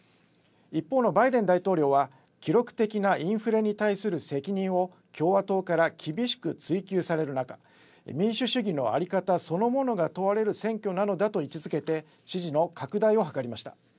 一方のバイデン大統領は記録的なインフレに対する責任を共和党から厳しく追及される中、民主主義の在り方そのものが問われる選挙なのだと位置づけて支持の拡大を図りました。